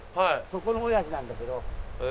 そこの親父なんだけど。